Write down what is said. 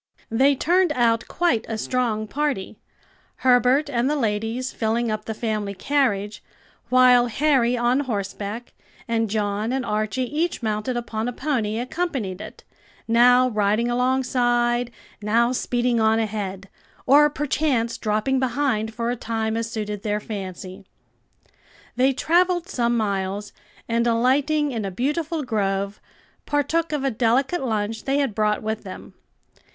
They turned out quite a strong party; Herbert and the ladies filling up the family carriage, while Harry on horseback, and John and Archie each mounted upon a pony, accompanied it, now riding alongside, now speeding on ahead, or perchance dropping behind for a time as suited their fancy. They travelled some miles, and alighting in a beautiful grove, partook of a delicate lunch they had brought with them.